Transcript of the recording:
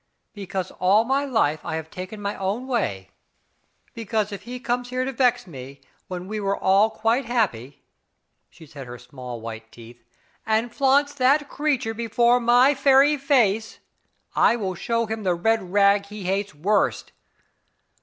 * 'Because all my life I have taken my own way. Because if he comes here to vex me, when we were all quite happy" — she set her small white 5» Digitized by Google ji fkM: PaTM op fMMeLLA, teeth — "and flaunts that creature before my very face, I will show him the red rag he hates worst